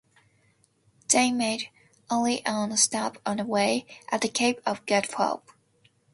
They made only one stop on the way, at the Cape of Good Hope.